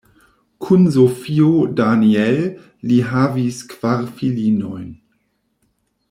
Kun Sofio Daniel li havis kvar filinojn.